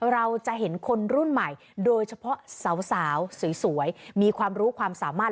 เราจะเห็นคนรุ่นใหม่โดยเฉพาะสาวสวยมีความรู้ความสามารถ